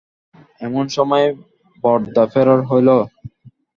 এমন সময় বরদা ফেরার হইল।